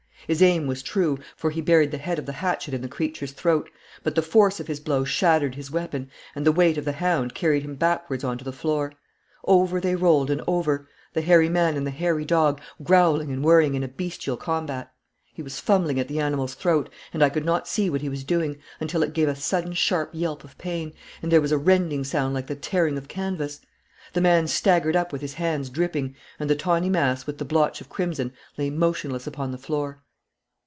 His aim was true, for he buried the head of the hatchet in the creature's throat, but the force of his blow shattered his weapon, and the weight of the hound carried him backwards on to the floor. Over they rolled and over, the hairy man and the hairy dog, growling and worrying in a bestial combat. He was fumbling at the animal's throat, and I could not see what he was doing, until it gave a sudden sharp yelp of pain, and there was a rending sound like the tearing of canvas. The man staggered up with his hands dripping, and the tawny mass with the blotch of crimson lay motionless upon the floor.